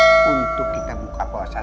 apa sudah siap untuk kita buka puasa sekarang